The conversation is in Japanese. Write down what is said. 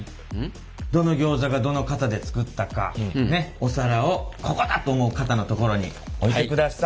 どのギョーザがどの型で作ったかお皿をここだと思う型の所に置いてください。